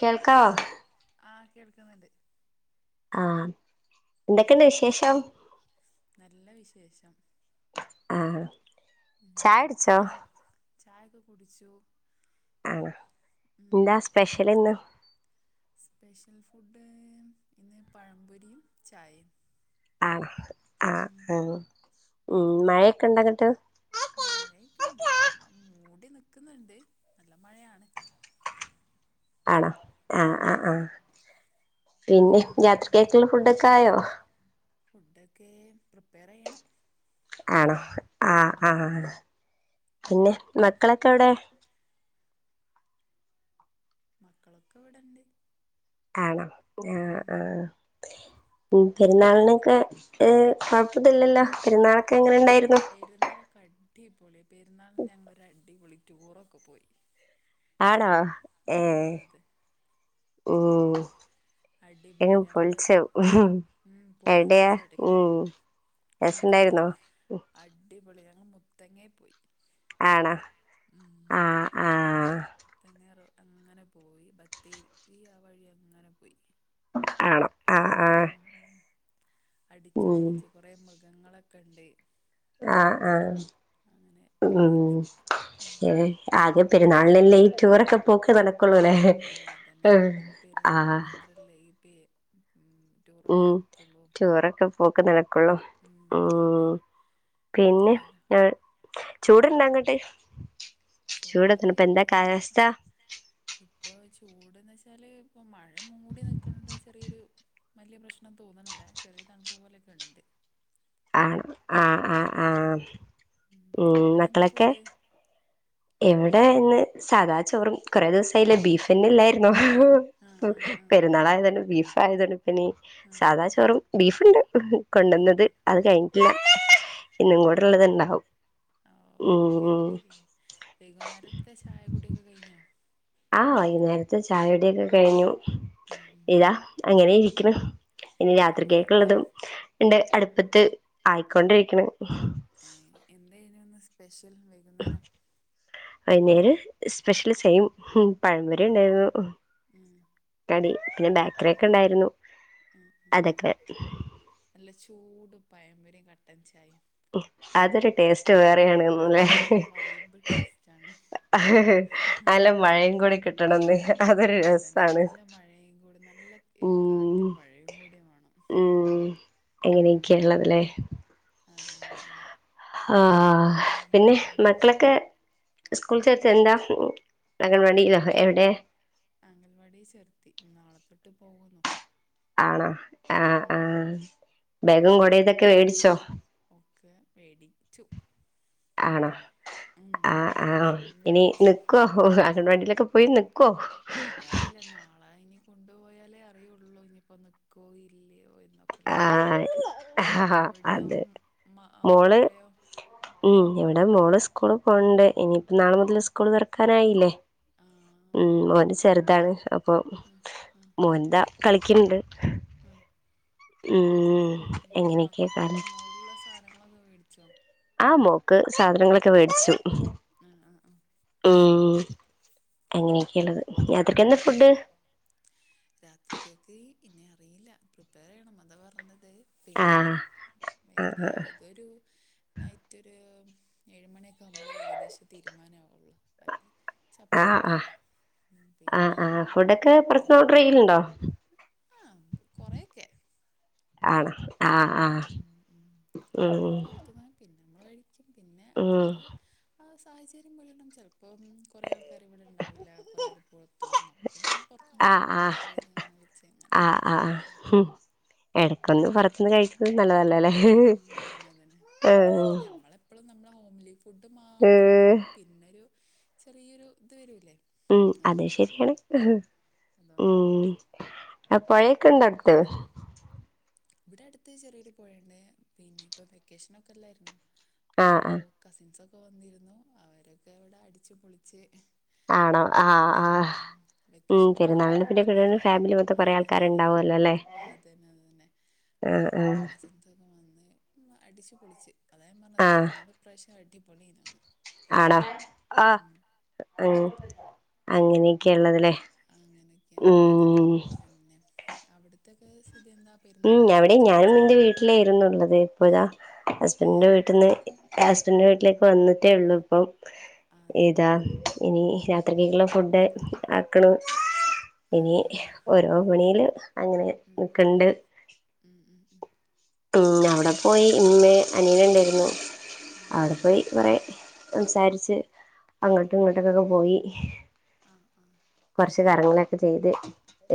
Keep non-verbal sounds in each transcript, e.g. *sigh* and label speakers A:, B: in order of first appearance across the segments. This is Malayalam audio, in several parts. A: കേൾക്കാവോ
B: ആ കേൾക്കുന്നുണ്ട്
A: ആഹ എന്തൊക്കെയണ്ട് വിശേഷം
B: *inaudible*
A: ആ
B: ഉം
A: ചായട്ച്ചോ
B: ഞാൻ ചായൊക്കെ കുടിച്ചു
A: ആണോ
B: ഉം
A: എന്താ സ്പെഷ്യൽ ഇന്ന്
B: സ്പെഷ്യൽ ഫുഡ് ഇന്ന് പഴംപൊരിയും ചായയും
A: ആഹ് ആ
B: ഉം
A: *unintelligible* ഉം മഴയൊക്കെ ഇണ്ടങ്ങട്ട്
B: മഴയൊക്കെുണ്ട് അ മൂടി നിക്കുന്നുണ്ട് നല്ല മഴയാണ്
A: ആണോ ആഹ് ആ്
B: ഉം
A: ആഹ പിന്നെ *unintelligible* ഉടുക്കായോ
B: ഫുഡൊക്കെ പ്രിപ്പയർ ചെയ്യണം
A: ആണോ ആഹ
B: ഉം
A: ആഹ പിന്നെ മക്കളൊക്കെ എവിടെ
B: മക്കളൊക്കെ ഇവിടണ്ട്
A: ആണോ ആ ആഹ് ഉ പെരുന്നാളിനൊക്കെ ഏ കൊഴപ്പല്ലല്ലോ പെരുന്നാൾ
B: ഇല്ല പെരുന്നാളൊക്കെ അടി പ പെരുന്നാൾ ഞങ്ങളൊരു അടി പൊളിക്ക ടൂറൊക്കെ പോയി
A: ആണോ ഏ
B: ആഹ് അതെ
A: ഉം
B: അടിപൊളി
A: എങ്ങ്
B: ഞങ്ങള്
A: പൊളിച്ചു
B: ഉം
A: എവിടെയാ
B: പൊളിച്ചടക്കി
A: ഉം
B: ഞങ്ങള്
A: രസണ്ടായിരുന്നോ
B: അടിപൊളി മുത്തങ്ങേ പോയി
A: ആണോ
B: ഉം
A: ആഹ് ആഹ്
B: മുത്തങ്ങ അങ്ങനെ പോയി ബത്തേരി ആ വഴി അങ്ങനെ പോയി
A: ആണോ ആഹ് ആഹ്
B: അടിച്ച് പൊളിച്ച് കുറേ മൃ മൃഗങ്ങളൊക്കെ ഉണ്ട്
A: ആ ആ
B: അങ്ങനെ പോയി
A: ഉം
B: ഉം
A: ആദ്യം പെരുന്നാൾ അല്ലെല്ലെ ഈ ടൂറൊക്കെ പോക്ക് നടക്ക
B: അത് തന്നെ അത് തന്നെ അത് പെരുന്നാള്
A: ആഹ്
B: മാത്രല്ലേ ഈപ്പ
A: ഉം ടൂർറൊക്കെ പോക്ക് നടക്കുള്ളൂ
B: ഉം പിന്നെ
A: ഉം പിന്നെ
B: പറ്റില്ലല്ലോ
A: ചൂട്ണ്ടാങ്ങോട്ടു ഹ് *unintelligible* ചൂടോ
B: ചൂട്
A: തണുപ്പോ എന്താ
B: ഇപ്പൊ
A: കാലസ്ഥ
B: ഇപ്പൊ ചൂട്ന്ന് വെച്ചാല് ഇപ്പ മഴ മൂടി നൽക്കണ ചെറിയൊരു വലിയ പ്രശ്നം തോന്നണില്ല ചെറിയരു തണുപ്പ് പോലെയൊക്കെ ഉണ്ട്
A: ആഹ് ആ ആ
B: ഉം
A: ആ
B: ഉം ഉം
A: ഉം
B: അവിടെ എന്താ
A: മക്കളൊക്കെ
B: ഫുഡ്
A: എവിടെന്ന് സാദാ ചോറും കൊറെ ദിവസായില്ല ബീഫന്നെ ഇല്ലായിരുന്നോ
B: ആഹ് ആഹ് ആഹ്
A: പെരുന്നാളായതന്നെ ബീഫ് *unintelligible* പിന്നെ
B: ആഹ്
A: സാദാ ചോറും ബീഫ് ഉണ്ട്
B: ആഹ്
A: കൊണ്ടുവന്നത്
B: ആഹ്
A: അത് കഴിഞ്ഞിട്ടില്ല
B: ആഹ്
A: ഇന്നും
B: ആഹ്
A: കൂടെള്ളത്
B: ആഹ്
A: ഉണ്ടാവും
B: ഓക്കെ
A: ഉം
B: ഓക്കെ വൈകുന്നേരത്തെ ചായകുടിയൊക്കെ കഴിഞ്ഞോ
A: ആഹ് വൈകുന്നേരത്തെ ചായ കുടിയൊക്കെ കഴിഞ്ഞു
B: ഉം ഉം ഉം
A: ഇതാ അങ്ങനെ ഇരിക്കുന്നു പിന്നെ
B: ആഹ് ആഹ്
A: രാത്രികൊക്ക
B: ഇന്ന്
A: ഉള്ളതും ഉണ്ട് *unintelligible* അടുപ്പത്തു ആയിക്കൊണ്ടിരികണ്
B: ഇന്നെന്താ സ്പെഷ്യൽ രിക്കൽ വൈകുന്നേരം
A: സ്പെഷ്യല് സെയിം ഉം പഴംമ്പൊരി ഉണ്ടായിരുന്നു
B: ഉം
A: കടി പിന്നെ
B: അത് ശരി ആ
A: ബേക്കറി ഒക്കെ ഇണ്ടായിരുന്നു
B: ആ ആ
A: അതൊക്കെ
B: പഴംപൊരി കട്ടൻ ചായെം
A: ഹാജറ് ടേസ്റ്റ് വേറെയാണ്ന്നല്ലേ
B: അതൊരു വൈബ് ടേസ്റ്റാണ്
A: നല്ലാം മഴയും കൂടി കിട്ടണംന്ന് അതൊരു
B: ആ അതന്നെ
A: രസാണ്
B: നല്ല മഴയും കൂടി നല്ല ഏ,
A: ഉം
B: കാറ്റും മഴയും കൂടി വേണം
A: ഉം അ
B: ഉം
A: ങ്ങനെയൊക്കെയള്ളത് ല.
B: അതന്നെ അതന്നെ
A: ആഹ് പിന്നെ മക്ക്ളൊക്കെ സ്കൂൾ ചേർത്തി എന്താ അംഗൻ വാടില്ലോ എവിടെ?
B: അംഗൻ വാടി ചേർത്തി നാളെത്തൊട്ട് പോവുന്നു.
A: ആണോ ആഹ് ആഹ് ബേഗും കൊടേതൊ ക്കെ വേടിച്ചോ?
B: ഒക്കെ മേടിച്ചു
A: ആണോ
B: ഉം
A: ആഹ്
B: എല്ലാം
A: ആഹ് ഇനി
B: മേടിച്ച്
A: നിക്കോ അംഗൻവാടിയിലൊക്കെ പോയി നി
B: അതറിയില്ല നാളെ ഇനി കൊണ്ടുപോയാലേ അറിയുള്ളൂ ഇനിപ്പോ നിക്കോ ഇല്ലയോ എന്ന്.
A: ആഹ് ആഹ് അത്
B: ഉം മ
A: മോള്
B: മക്കളെയോ
A: ഉം ഇവിടെ മോള് സ് സ്കൂള് പോക്ണ്ട്. ഇനിയിപ്പം നാളെ മുതൽ സ്കൂള് തുറക്കാനായില്ലേ?
B: ആ ആ ആ
A: ഉം മോന് ചെറ്താണ്. ഇപ്പോ മോന്റാ കളിക്ക്ണ്ട്
B: ആഹ്
A: ഉം എങ്ങനെക്കെ *unintelligible*
B: ഇങ്ങളൊക്കെ വേട്ച്ചോ?
A: ആ മോൾക്ക് സാധനങ്ങളൊക്കെ വേട്ച്ചു.
B: ആ ആ ആ
A: മ്
B: ഓക്കെ
A: അങ്ങനെ ക്കേണ്ടത്.
B: ഉം ഉം രാത്രിക്കെക്ക് പിന്നെ അറിയില്ല പ്രിപ്പയറെയ്യണം അതാ പറഞ്ഞത്
A: ആ
B: പിന്നെ
A: ആ
B: പിന്നെ രാ ഇതൊരു നൈറ്റൊര് ഏഴ് മണിയൊക്കെ ആവുമ്പളെ ഏകദേശം തീരുമാനാവോള്ളൂ അല്ലേ ചപ്പാത്തിയോ
A: ആഹ്
B: പിന്നെ
A: ആഹ് ഫുഡൊക്കെ പൊറത്ത്ന്ന്
B: പിന്നെ
A: ഓർഡറെയ്യല്ണ്ടോ
B: ആ കുറെയൊക്കെ
A: ആണൊ ആഹ് ആഹ് ഉം
B: ച്ചും പിന്നെ
A: ഉം
B: അപ്പത്ത് ആഹ് സ് സാഹചര്യം പോലെണ്ടാവും ചെല് പ്പം കൊറേ ആൾക്കാര് ഇവടെണ്ടാവില്ല കൊറേ ആള് പൊറത്ത് പോവും അപ്പപിന്നെ നമ്മള് പൊറത്ത്ന്ന്
A: ആ ആ
B: ഫുഡൊക്കെ ഓർഡറെയ്ത് ഇങ്ങനെ വിളിച്ച് അങ്ങനെ ആഹ്
A: എടക്കൊന്ന് പൊറത്ത്ന്ന് കഴിപ്പു നല്ലതാ ഇല്ലല്ലേ
B: ആ അതന്നെ അതന്നെ
A: ഏ
B: ഇടയ്ക്ക് നമ്മളെപ്പോഴും *unintelligible* ഫുഡ് മാത്ര
A: ഏ
B: അടിക്കുമ്പോ പിന്നൊരു ചെറിയൊരു ഇത് വരൂല്ലേ
A: ഉം അത് ശരിയാണ്
B: അതുകൊണ്ടാണ്
A: ഉം അ പഴേ ക്കിണ്ടോ അടുത്ത്
B: പിന്നെ ഇവിടെ അടുത്ത് ചെറിയൊരു പോഴയുണ്ട് പിന്നെ ഇപ്പൊ വെക്കേഷനൊക്കല്ലാരുന്നോ
A: ആഹ്
B: അപ്പൊ
A: ആഹ്
B: കസിൻസൊ ഇപ്പൊ വന്നിരുന്നു അവരൊക്കെ ഇവിടെ അടിച്ചു പൊളിച്ച്
A: ആണോ ആഹ്
B: പോയി ഉം
A: ആഹ്
B: ഉം
A: ഉം
B: വെക്കേഷൻ കൂടിയാണ്
A: പെരുന്നാളിന്
B: അപ്പോൾ പിന്നെ
A: പിന്നെടെ
B: ആ
A: ഫാമിലി മൊത്തം
B: ആ
A: കൊറെ
B: അതന്നെ
A: ആൾക്കാര്
B: അതന്നെ
A: ഇണ്ടാവുമല്ലോല്ലേ
B: അപ്പൊ കസിൻസൊക്കെ വന്നേ അടിച്ചു പൊളിച്ച് അതാ ഞാൻ പറഞ്ഞത്
A: ആഹ്
B: പെരുന്നാള് ഇപ്രാവശ്യം അടി അടിപൊളിയായിരുന്നു
A: ആണോ ആഹ് അങ്ങനെയൊക്കെയുള്ളുത്ല്ലെ
B: അങ്ങനൊക്കെയാണിള്ളത് പിന്നെ അവിടത്തെ ക്കെസ്
A: ഉം അവിടെ ഞാനും ഇന്റെ വീട്ടിലായിരുന്നുള്ളത് ഇപ്പോ
B: ഏ
A: ഇതാ
B: ഏ
A: ഹസ്ബൻഡിന്റെ വീട്ടിന്ന് ഹസ്ബൻ്റിൻ്റെ വീട്ടിലേക്ക് വന്നിട്ടേ ഒള്ളൂ ഇപ്പം
B: ആ അതെയോ
A: ഏതാ ഇനി രാത് *unintelligible* രാത്രിക്ക്ക്കുളള ഫുഡ് ആക്ക്ണു
B: ആ
A: ഇനി
B: ആ ആ
A: ഓരോ മണിയില് അങ്ങനെ
B: ഉം
A: നിക്കണ്ണ്ട്
B: ഉം ഉം ഉം
A: ഉം ആഹ് പോയി ഇമ്മേ അനിയൻ ഇണ്ടായിരുന്നു
B: ഉം
A: അവടെ പോയി കൊറെ സംസാരിച്ച്
B: ഉം
A: അങ്ങോട്ടും ഇങ്ങോട്ടൊക്കൊക്കെ പോയി ഏഹ്
B: ആഹ് ആഹ് ആഹ്
A: കൊറച്ച് കാര്യങ്ങളൊക്കെ ചെയ്ത്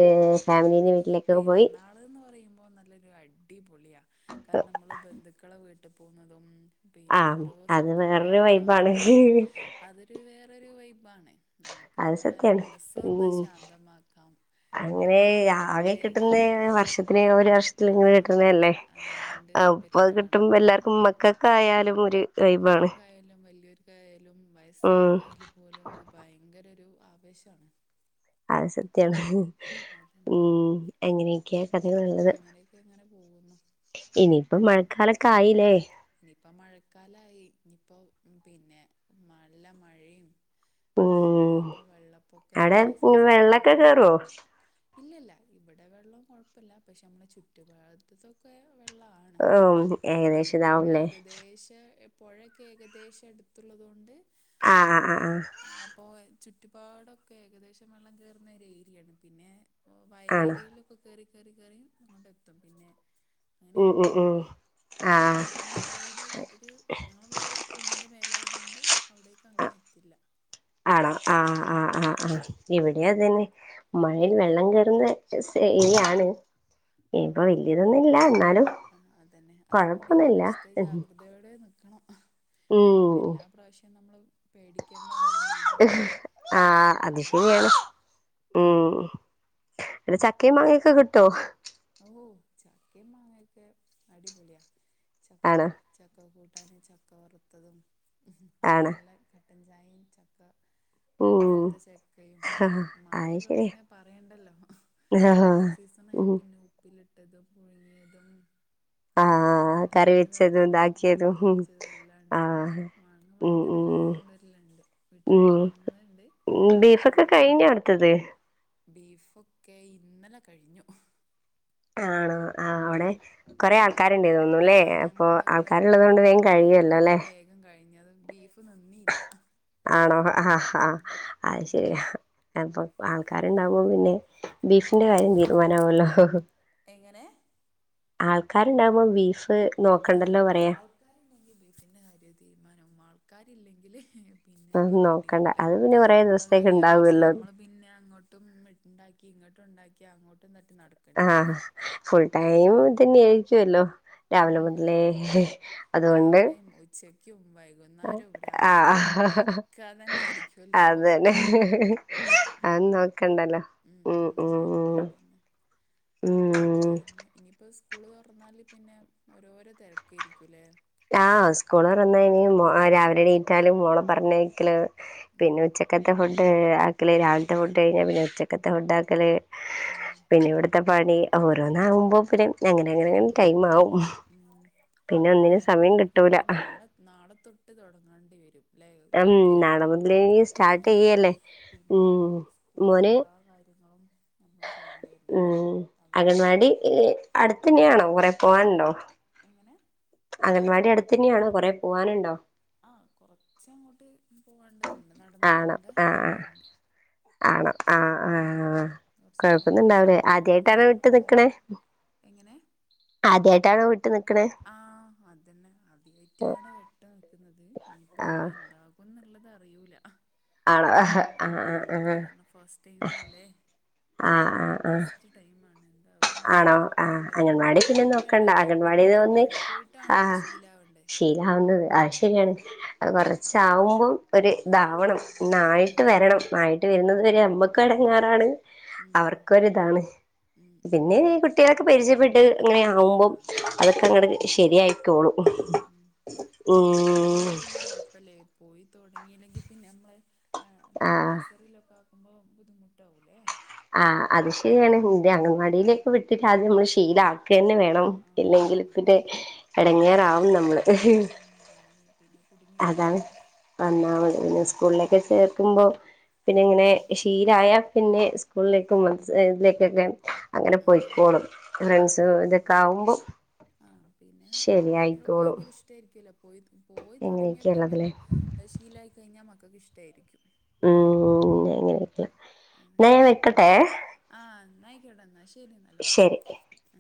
A: ഏഹ്
B: ആഹ് ശെരി
A: ഫാമിലീന്റെ
B: ഈ
A: വീട്ടിലേക്കൊക്കെ പോയി
B: പെരുന്നാള് എന്ന് പറയുമ്പോ നല്ലൊരു അടിപൊ ളിയാ കാര്ണം നമ്മള് ബന്ധുക്കളെ വീട്ട് വീട്ടി പോകുന്നതും പിന്നെ
A: ആഹ്
B: ഓരോ
A: അത്
B: സ്ഥലത്ത് നമ്മള്
A: വേറൊരു
B: കറങ്ങാൻ
A: വൈബാണ്
B: പോണതും അതൊരു വേറരു വൈബ് ബാണ് നമുക്ക്
A: അത്
B: നമ്മളെ
A: സത്യാണ്
B: മനസ്സ് ഒന്ന്
A: ഉം
B: ശാന്തമാക്കാം നല്ല
A: അങ്ങനെ
B: ഒരു
A: ആകെ
B: പ്രത്യേക
A: കിട്ടുന്ന വർഷത്തിന് ഒരു കിട്ട്
B: ആഹ്
A: ണേഅല്ലേ
B: അതെ രണ്ട്
A: അപ്പൊ അത്
B: പെരുന്നാളാണ്
A: കിട്ടുമ്പോ
B: അപ്പൊ അത്
A: എല്ലാർക്കും മക്കക്കൊക്കെ ആയാലും ഒരു വൈബാണ്
B: കായലും
A: ഉം
B: വയസ്സായിരിക്കായാലും പോലും അത് ഭയങ്കര ഒരു ആവേശാണ്
A: അത് സത്യാണ്
B: അതന്നെ
A: ഉംഎങ്ങനെയൊക്കെയ
B: അങ്ങനെയൊക്കെ അങ്ങനെ പോകുന്നു
A: ഇനിയിപ്പം
B: ഉം
A: മഴക്കാലൊക്കെ ആയില്ലേ
B: ഇനിയിപ്പ മഴക്കാലായി ഇഞ്ഞ് ഇപ്പൊ പിന്നെ നല്ല മഴയും
A: ഉം
B: പിന്നെപ്പൊ
A: അവിടെ
B: വെള്ളപ്പൊക്കത്തിന്റെ സീസണായി
A: വെള്ളൊക്കെ
B: വരും
A: കേറുവോ
B: ഇല്ലല്ല ഇവിടെ വെള്ളം കൊഴ പ്പല്ല പക്ഷെ നമ്മളെ ചുറ്റുപാത്തത്തൊക്കെ വെള്ളാണ്
A: ഉം ഏകദേശം
B: അപ്പപ്പോഴേ
A: ഇതാവുംല്ലേ
B: ഏകദേശ എ പൊഴക്ക് ഏകദേശം അടുത്തുള്ളത് കൊണ്ട്
A: ആ ആ
B: പിന്നെ
A: ആ ആ
B: അപ്പൊ ചുറ്റി പാടൊക്കെ ഏകദേശം വെള്ളം കയറുന്ന ഒരു ഏരിയാണ് പിന്നെ ഓഹ്
A: ആണോ
B: വയലേരികളിലൊക്കെ കേറി കേറി കേറി ങ്ങോട്ടത്തും പിന്നെ
A: ഉം
B: അങ്ങനെയാണ്
A: ഉം ഉം ആ
B: വീടന്ന് വീട് ഒരു ഞങ്ങളെ വീട് ഒരു കുന്നിന്റെ മേലെ അതുകൊണ്ട് അവിടേക്ക്
A: ആ
B: അങ്ങനെ എത്തില്ല
A: ആണോ ആഹ്
B: ഉം
A: ആഹ് ആഹ് ആഹ് ഇവിടെ അത് തന്നെ മഴയിൽ
B: ആ
A: വെള്ളം കയറുന്ന രസ ഇ ഈ ആണ്
B: ആഹ് ആഹ് ആഹ് ആഹ് അതന്നെ അതാ പറഞ്ഞ
A: കൊഴപ്പൊന്നുമില്ല
B: ഇപ്രാവശ്യത്തെ
A: ഉം
B: ജാഗ്രതയോടെ നിക്കണം കാരണം എല്ലാ പ്രാവശ്യവും നമ്മള് പേടിക്കേണ്ട ഒന്ന് തന്നെയാണല്ലോ
A: ആ
B: മഴാന്ന്
A: അത്
B: പറയണത്
A: ശരിയാണ്
B: അങ്ങനെ
A: ഒരു ചക്കേം മങ്ങേക്കെ കിട്ടോ
B: ചക്കേം മങ്ങേക്കെ അടിപൊളിയാ ചക്ക
A: ആണ്
B: ചക്ക കൂ ട്ടനും ചക്കവറുത്തതും
A: ആണ്
B: നല്ല കട് ട്ടൻ ചായേം ചക്ക
A: ഉം
B: പഴുത്ത ചക്കയും
A: അത്
B: മങ്ങേക്കെ
A: ശരിയാ
B: പിന്നെ പറയണ്ടല്ലോ മാങ്ങ സീസൺ ആയ
A: ഉം
B: ഉപ്പിലിട്ടതും പുഴുങ്ങിയതും
A: ആഹ് ആഹ് ആഹ്
B: പലേ
A: കറി വെച്ചതും
B: തരത്തിലുള്ള കറി
A: ഇതാക്കിയതും
B: വെച്ചത് എല്ലാം ഉണ്ടാവുമല്ലോ
A: ആഹ്
B: മാങ്ങ ഇവിടെ
A: ഉം
B: ഇങ്ങനെ എല്ലാവരും
A: ഉം
B: കൊണ്ടുവരലുണ്ട്
A: ഉം
B: വീട്ടിലുണ്ടാവുന്നുണ്ട്
A: ഉം ബീഫോക്കെ കഴിഞ്ഞോ എടുത്തത്
B: ബീഫൊക്കെ ഇന്നലാ കഴിഞ്ഞു
A: ആണോ ആഹ്
B: ഉം
A: അവിടെ കൊറെ
B: ഉം
A: ആൾക്കാരുണ്ട് തോന്നുംല്ലേ
B: ആ
A: അപ്പൊ
B: ഞങ്ങളിവിടെ കുറേ
A: ആൾക്കാരുള്ളത് കൊണ്ട് വേഗം കഴിയുമല്ലോ
B: ബീഫ്
A: അല്ലെ
B: വേഗം കഴിഞ്ഞത് ബീഫ് നിന്നിയില്ല
A: ആണോ അ ആഹ് ആ
B: ഉം
A: അത്
B: ഉം
A: ശരിയാ അപ്പൊ ആൾക്കാരുണ്ടാവുമ്പോ പിന്നെ ബീഫിന്റെ കാര്യം തീരുമാനാവല്ലോ
B: എങ്ങനെ
A: ആൾക്കാരുണ്ടാവുമ്പോ ബീഫ്
B: ആഹ്
A: നോക്കണ്ടല്ലോ പറയാ
B: ആൾക്കാരുണ്ടെങ്കി ബീഫിന്റെ കാര്യം തീരുമാനാവും ആള് ക്കാരില്ലെങ്കില് പിന്നെ പറയേണ്ടി
A: നോക്കണ്ട
B: വരൂല
A: അത് പിന്നെ കൊറേ
B: അത്
A: ദിവസത്തേക്ക്
B: കഴിഞ്ഞാൽ കുറച്ച്
A: ഉണ്ടാവുമല്ലോ
B: നമ്മൾ പിന്നെ അങ്ങോട്ടും ഉണ്ടാക്കി ഇങ്ങോട്ടും ഉണ്ടാ *unintelligible*
A: ആഹ് ഫുൾ ടൈം
B: അതന്നെ
A: ഇതന്നെ ആയിരിക്കുവല്ലോ രാവിലെ
B: ഉം
A: മുതലേ
B: അതെ
A: അതുകൊണ്ട്
B: രാവിലെയും ഉച്ചക്കും വൈകുന്നേരവും രാത്രിയും
A: ആഹ്
B: ഒക്കെ അതന്നെ ഇരിക്കുമല്ലോ
A: അതന്നെ
B: ഉം
A: അന്ന് നോക്കണ്ടല്ലോ ഉം ഉം ഉം ഉം
B: പിന്നെ ഇനിപ്പാ സ് കൂള് തുറന്നാൽ പിന്നെ ഓരോരോ തിരക്കായിയിരിക്കുംല്ലേ
A: ആഹ് സ്കൂള് തുറന്ന ഇനി ആഹ് രാവിലെ എണീറ്റലും മോളെ പറഞ്ഞയാക്കല്
B: ഉം
A: പിന്നെ ഉച്ചക്കത്തെ ഫു ഏഹ്
B: ഉം
A: രാവിലത്തെ ഫുഡ് കഴിഞ്ഞാ പിന്നെ ഉച്ച ത്തെ ഉണ്ടാക്കല്
B: ഉം
A: പിന്നെ ഇവിടത്തെ പണി
B: ഉം
A: ഓരോന്നാകുമ്പോ പിന്നെ അങ്ങനെ അങ്ങനെ
B: ഉം
A: ടൈം ആവും പിന്നെ ഒന്നിനും
B: പിന്നെ
A: സമയം കിട്ടൂല
B: ഇനിയിപ്പം നാളെ നാളെത്തൊട്ട് തൊടങ്ങണ്ടി വരും ല്ലേ
A: ഉം
B: വെക്ക എന്ത
A: മുതല്
B: നാളെ തൊട്ട്
A: സ്റ്റാർട്ട്
B: തുടങ്ങിയാല്
A: ചെയ്യല്ലേ
B: പിന്നെ
A: ഉം
B: സ്കൂളും
A: മോന്
B: എല്ലാ കാര്യങ്ങളും നമ്മൾ ചെയ്യേണ്ടി വരില്ലേ
A: ഉം
B: അവിടുത്തെ
A: അംഗൻവാടി
B: പോക്കും
A: ഇല് അടുത്തന്നെയാണോ കൊറേ പോവാനുണ്ടോ
B: എങ്ങനെ
A: അംഗൻവാടി അടുത്തന്നെയാണ് കൊറേ പോവാനുണ്ടോ
B: ആഹ് കൊറച്ചങ്ങോട്ട് പോകേണ്ടതുണ്ട് നടന്ന്
A: ആണോ
B: പോകണ്ട
A: ആഹ്
B: ഇതുണ്ട്
A: ആഹ് ആണോ ആഹ്
B: ഉം
A: ആഹ്
B: കൊറച്ച് നടന്ന് പോണം
A: കൊഴപ്പൊന്നുണ്ടാവൂലേ
B: അപ്പൊ നമ്മുക്ക്
A: ആദ്യായിട്ടാണോ
B: അയിലൂടെ
A: വിട്ട്
B: പോണം
A: നിക്കണേ
B: എങ്ങനെ
A: താഴെ വിട്ട് നി ക്ക്ണ്
B: ആ അതന്നെ അദിയായിട്ടാണ് വെട്ട നിക്കുന്നത് ഇനിയിപ്പോ
A: ആഹ്
B: എന്താകുന്ന് നല്ലതറിയൂല
A: ആണോ ആഹ് ആഹ് ആഹ്
B: ഫസ്റ്റ് ടൈം അല്ലേ
A: ആഹ് ആഹ് ആഹ്
B: ഫസ്റ്റ് ടൈമാണ് എന്താകുംന്ന്
A: ആണോ
B: അറിയൂല
A: ആഹ്
B: ഇനിയിപ്പ ഇങ്ങനെ
A: അംഗൻവാടി
B: പോയി
A: പിന്നെ
B: പോയിട്ടാണ്
A: നോക്കണ്ട അംഗൻവാ
B: ഇനിയിപ്പ അങ്ങനെ
A: ന്നെ
B: പോയി പോയിട്ടാണല്ലോ
A: ആഹ്
B: ശീലാവണ്ടേ
A: ശീലാവുന്നത് അയ്
B: ഉം
A: ശരിയാണ്
B: ഉം
A: കൊറച്ചാവുമ്പം ഒരു
B: ആ
A: ദാവണം ഇന്നായിട്ട്
B: അതന്നെ
A: വരണം ആയിട്ട് വരുന്നത്
B: ഉം
A: വരെ അമ്മക്കെടങ്ങേറാണ്
B: ഉം
A: അവർക്കൊരിതാണ്
B: ഉം ഉം
A: പിന്നെ കുട്ട്യേളൊക്കെ പരിചയപ്പെട്ട് അങ്ങനെ
B: ആ
A: ആഉമ്പം അതൊക്കെ അങ്ങട്
B: അതന്നെ
A: ശരിയായിക്കോളും.
B: ഉം ഉം
A: ഉം
B: തുടങ്ങില്ലെങ്കി പിന്നെ നമ്മള് ആഹ് പിന്നെ നെഴ്സറിയിലൊക്കാക്കു ഓ ബുദ്ധിമുട്ടാവുലേ
A: ആഹ് അത് ശ രിയാണ് ഇത് അംഗൻവാടിയിലൊക്കെ വിട്ടിട്ട് ആദ്യം നമ്മള്
B: ആഹ്
A: ശീലാക്കന്നെ വേണം
B: ആഹ് ആഹ്
A: ഇല്ലെങ്കില്
B: അതന്നെ
A: പിന്നെ
B: അതന്നെ
A: എടങ്ങേറാവും നമ്മള്
B: ആഹ് അതന്നെ അതന്നെ പിന്നെ
A: അതാണ്
B: കുടുങ്ങിപ്പോകും
A: ഒന്നാമത് പിന്നെ
B: ഉം
A: സ്കൂൾലൊക്കെ
B: ഉം
A: ചേർക്കുമ്പോ പിന്നെ ങ്ങനെ
B: അതന്നെ
A: ശീലായ പിന്നെ സ് കൂളിലേക്കും *unintelligible* അങ്ങനെ
B: അതന്നെ
A: പോയ്ക്കോളും.
B: അതന്നെ
A: ഫ്രണ്ട്സ്
B: അതന്നെ
A: ഇതൊക്കെ ആവുമ്പം
B: ആഹ് പിന്നെ കുട്ടികൾക്ക്
A: ശരിയായിക്കോളും
B: ഭയങ്കര ഇഷ്ടായിരിക്കുവല്ലോ പോയി പോയി തുടങ്ങിയ
A: എങ്ങനെയൊക്കെയ
B: പിന്നെ
A: ഉള്ളതിലെ
B: അഹ് ശീലായിക്കഴിഞ്ഞാ മക് തൊക്കെ ഇഷ്ട്ടായിരിക്കും.
A: ഉം ങ്ങനെ ന്നാ
B: അതന്നെ
A: ഞാൻ വെക്കട്ടേ?
B: യ്ക്കോട്ടെ ന്നാ ശ് എരി ന്നാൽ ഓക്കെ